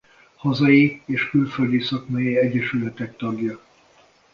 Hazai és külföldi szakmai egyesületek tagja.